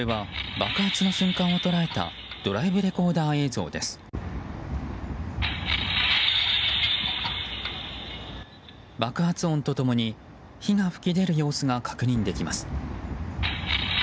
爆発音と共に火が噴き出る様子が確認できます。